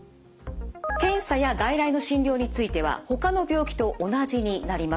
検査や外来の診療についてはほかの病気と同じになります。